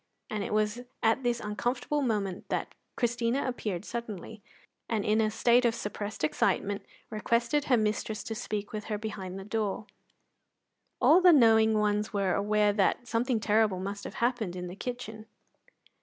And it was at this uncomfortable moment that Christina appeared suddenly, and in a state of suppressed excitement requested her mistress to speak with her behind the door. All the knowing ones were aware that something terrible must have happened in the kitchen.